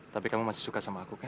tapi kamu masih suka sama aku kayak